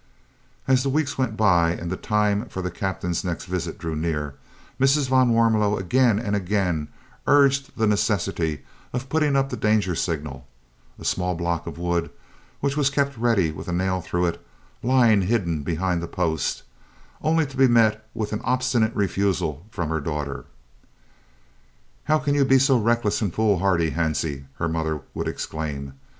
As the weeks went by and the time for the Captain's next visit drew near, Mrs. van Warmelo again and again urged the necessity of putting up the danger signal (a small block of wood, which was kept ready with a nail through it, lying hidden behind the post), only to be met with an obstinate refusal from her daughter. "How can you be so reckless and foolhardy, Hansie?" her mother would exclaim.